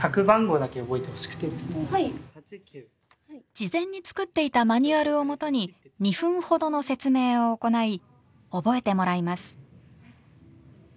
事前に作っていたマニュアルをもとに２分ほどの説明を行い覚えてもらいます。